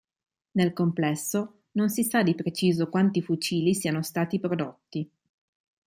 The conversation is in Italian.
Nel complesso non si sa di preciso quanti fucili siano stati prodotti.